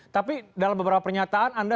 tapi dalam beberapa pernyataan anda